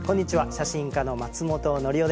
写真家の松本紀生です。